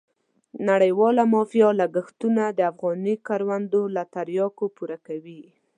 نړیواله مافیا لګښتونه د افغاني کروندو له تریاکو پوره کوي.